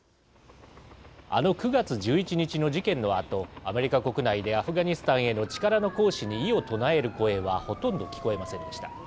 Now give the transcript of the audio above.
あの９月１１日の事件のあとアメリカ国内でアフガニスタンへの力の行使に異を唱える声はほとんど聞こえませんでした。